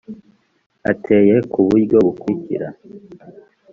ateye ku buryo bukurikira